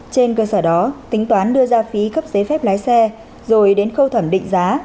trên cơ sở đó tính toán đưa ra phí cấp giấy phép lái xe rồi đến khâu thẩm định giá